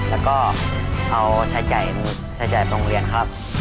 แล้วก็เอาใช้จ่ายโรงเรียนครับ